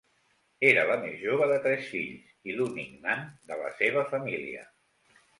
Era la més jove de tres fills i l'únic nan de la seva família.